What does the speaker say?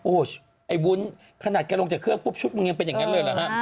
โอ้โหไอ้วุ้นขนาดแกลงจากเครื่องปุ๊บชุดมึงยังเป็นอย่างนั้นเลยเหรอฮะ